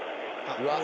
うわ